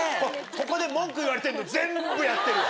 ここで文句言われてるの全部やってるわ。